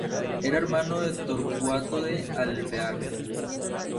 Era hermano de Torcuato de Alvear.